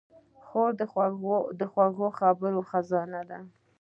خور د خوږو خبرو خزانه ده.